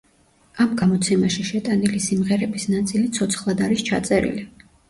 ამ გამოცემაში შეტანილი სიმღერების ნაწილი ცოცხლად არის ჩაწერილი.